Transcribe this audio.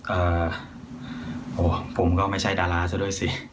เอ่อโอ้ผมก็ไม่ใช่ดาราซะด้วยสิ